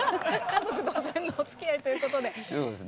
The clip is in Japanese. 家族同然のおつきあいということで。